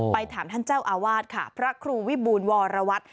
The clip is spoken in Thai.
ถามท่านเจ้าอาวาสค่ะพระครูวิบูลวรวัตร